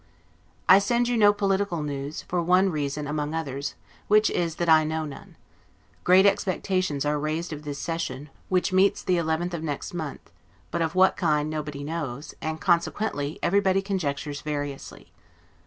I send you no political news, for one reason, among others, which is that I know none. Great expectations are raised of this session, which meets the 11th of next month; but of what kind nobody knows, and consequently everybody conjectures variously.